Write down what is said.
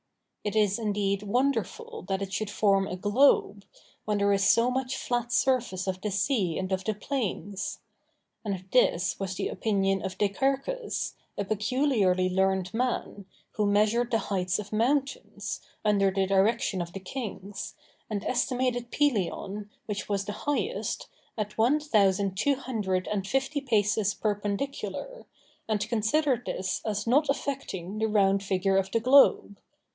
It is indeed wonderful that it should form a globe, when there is so much flat surface of the sea and of the plains. And this was the opinion of Dicæarchus, a peculiarly learned man, who measured the heights of mountains, under the direction of the kings, and estimated Pelion, which was the highest, at one thousand two hundred and fifty paces perpendicular, and considered this as not affecting the round figure of the globe.